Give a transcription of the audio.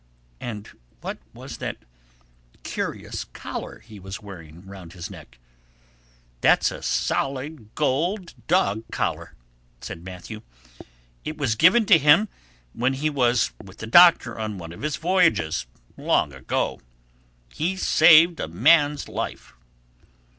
"And what was that curious collar he was wearing round his neck?" "That's a solid gold dog collar," said Matthew. "It was given to him when he was with the Doctor on one of his voyages long ago. He saved a man's life."